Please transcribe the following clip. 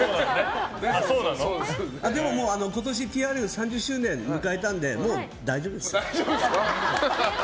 でも、今年ＴＲＦは３０周年を迎えたのでもう大丈夫です。